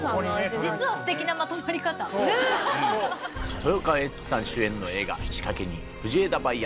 豊川悦司さん主演の映画「仕掛人・藤枝梅安」